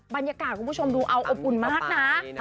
บรรยากาศคุณผู้ชมดูอบอุ่นมากนะ